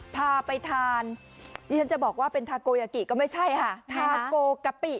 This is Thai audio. พาไปทานนี่ฉันจะบอกว่าเป็นทาโกยากิก็ไม่ใช่ค่ะ